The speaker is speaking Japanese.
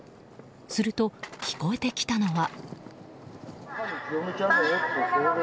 すると、聞こえてきたのは。